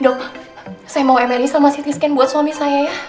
dok saya mau mri sama ct scan buat suami saya ya